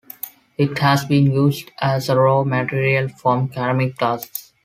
It has been used as a raw material for ceramic glazes.